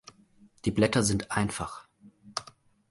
Die Blätter sind einfach.